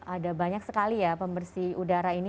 ada banyak sekali ya pembersih udara ini